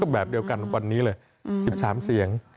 แบบเดียวกันเหมือนกันบันนี้เลย๑๓เสียง